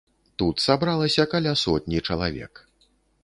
Тут сабралася каля сотні чалавек.